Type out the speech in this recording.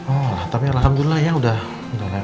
oh tapi alhamdulillah ya udah lah